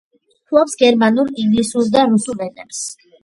ფლობს გერმანულ, ინგლისურ და რუსულ ენებს.